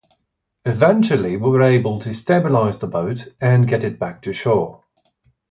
Eventually, we were able to stabilize the boat and get it back to shore.